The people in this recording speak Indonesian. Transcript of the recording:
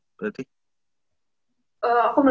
aku menurut berdarahin sih tapi